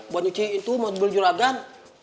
buat nyuci itu mau beli juragan